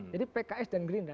jadi pks dan gerindra